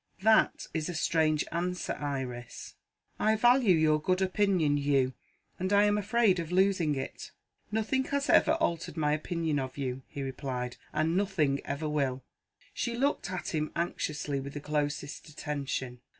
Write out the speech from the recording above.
"That is a strange answer, Iris." "I value your good opinion, Hugh, and I am afraid of losing it." "Nothing has ever altered my opinion of you," he replied, "and nothing ever will." She looked at him anxiously, with the closest attention.